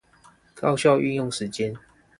高效運用時間